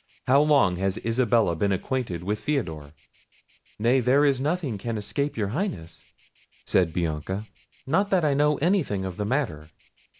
How long has Isabella been acquainted with Theodore?" "Nay, there is nothing can escape your Highness!" said Bianca; "not that I know any thing of the matter.